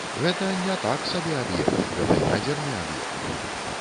Гэта не так сабе аб'ект, гэта ядзерны аб'ект.